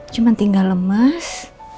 cuma tinggal lemes